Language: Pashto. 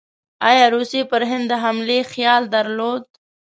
ایا روسیې پر هند د حملې خیال درلود؟